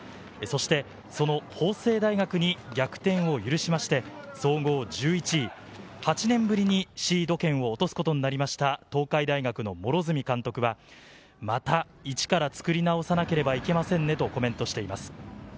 そして法政大学に逆転を許して総合１１位、８年ぶりにシード権を落とすことになった東海大学の両角監督は、またイチから作り直さなければいけませんねとコメントしています。